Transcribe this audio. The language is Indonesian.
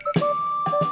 saya juga ngantuk